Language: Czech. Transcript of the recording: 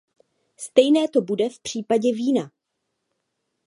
Stejné to bude v případě vína.